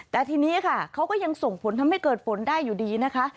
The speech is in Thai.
แต่ทีนี้ค่ะเขาก็ยังส่งผลทำให้เกิดฝนได้อยู่ดีนะคะ